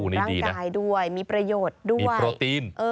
ร่างกายด้วยมีประโยชน์ด้วยโปรตีน